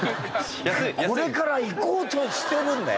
これから行こうとしてるんだよ？